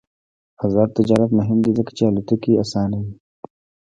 آزاد تجارت مهم دی ځکه چې الوتکې اسانوي.